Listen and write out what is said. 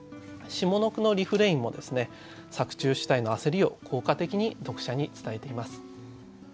下の句のリフレインも作中主体の焦りを効果的に読者に伝えています。